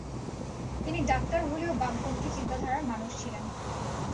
তিনি ডাক্তার হলেও বামপন্থী চিন্তা ধারার মানুষ ছিলেন।